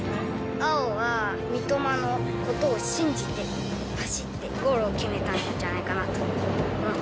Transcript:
碧は三笘のことを信じて走ってゴールを決めたんじゃないかな